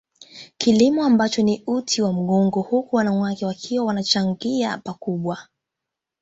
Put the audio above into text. Kilimo ambacho ni uti wa mgongo huku wanawake wakiwa wanachangia pakubwa